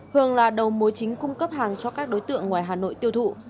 hường là đầu mối chính cung cấp hàng cho các đối tượng ngoài hà nội tiêu thụ